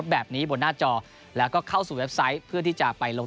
แบบนี้บนหน้าจอแล้วก็เข้าสู่เว็บไซต์เพื่อที่จะไปลง